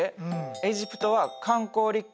エジプトは観光立国。